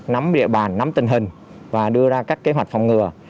nắm địa bàn nắm tình hình và đưa ra các kế hoạch phòng ngừa